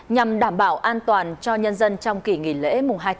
nhằm đảm bảo an toàn cho nhân dân trong kỳ nghỉ lễ hai chín